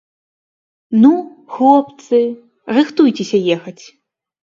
Ну, хлопцы, рыхтуйцеся ехаць.